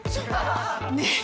ねえ！